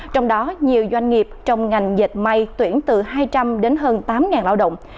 trong đó nhiều doanh nghiệp trong ngành dệt may tuyển từ hai trăm linh đến hơn tám lao động